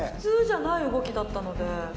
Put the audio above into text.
普通じゃない動きだったので。